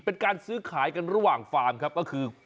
เป็นการซื้อขายกันระหว่างฟาร์มครับก็คือ